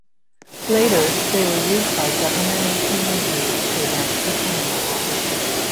Later they were used by government and communities to announce the time.